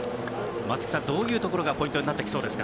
松木さん、どういうところがポイントになってきそうですか？